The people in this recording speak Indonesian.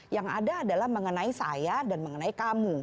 yang ada adalah mengenai saya dan mengenai kamu